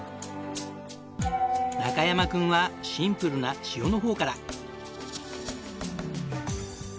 中山君はシンプルな塩の方から。